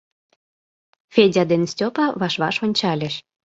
Федя ден Стёпа ваш-ваш ончальыч.